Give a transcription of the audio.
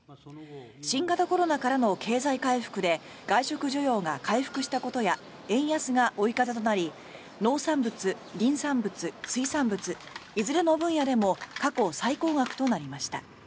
新型コロナからの経済回復で外食需要が回復したことや円安が追い風となり農産物、林産物、水産物いずれの分野でも過去最高額となりました。